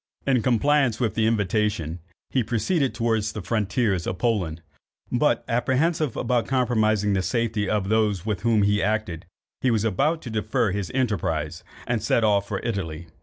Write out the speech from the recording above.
In compliance with the invitation, he proceeded towards the frontiers of Poland; but apprehensive of compromising the safety of those with whom he acted, he was about to defer his enterprise, and set off for Italy.